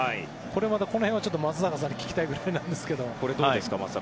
この辺も松坂さんに聞きたいくらいなんですが。